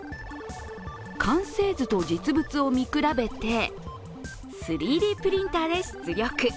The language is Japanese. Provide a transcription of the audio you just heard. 完成図と実物を見比べて３Ｄプリンターで出力。